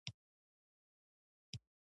زړه بايد پراخه وي تر څو د خلک و زغمی.